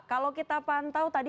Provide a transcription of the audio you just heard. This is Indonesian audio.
kalau kita pantau tadi